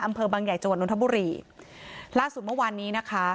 อำเภอบางใหญ่จังหวัดนทบุรีล่าสุดเมื่อวานนี้นะคะ